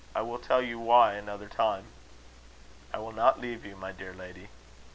I will tell you why another time." "I will not leave you, my dear lady."